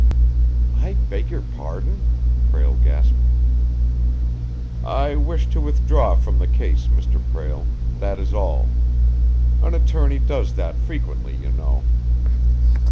"I beg your pardon!" Prale gasped. "I wish to withdraw from the case, Mr. Prale that is all. An attorney does that frequently, you know."